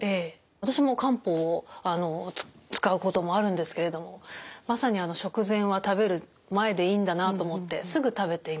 私も漢方を使うこともあるんですけれどもまさに食前は食べる前でいいんだなあと思ってすぐ食べていました。